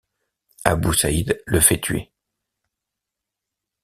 Abu Saïd le fait tuer.